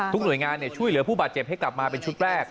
หน่วยงานช่วยเหลือผู้บาดเจ็บให้กลับมาเป็นชุดแรก